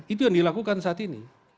itu yang dilakukan saat ini